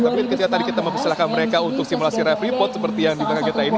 tapi ketika tadi kita mempersilahkan mereka untuk simulasi raffi pots seperti yang juga kaget tadi